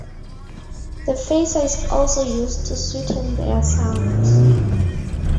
The phaser is also used to "sweeten" their sounds.